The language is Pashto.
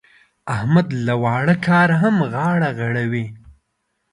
احمد له واړه کاره هم غاړه غړوي.